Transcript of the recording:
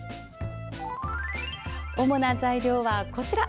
主な材料は、こちら。